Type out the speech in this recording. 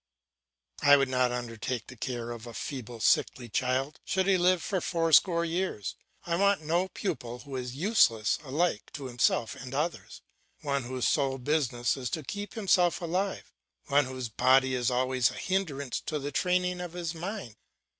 I would not undertake the care of a feeble, sickly child, should he live to four score years. I want no pupil who is useless alike to himself and others, one whose sole business is to keep himself alive, one whose body is always a hindrance to the training of his mind.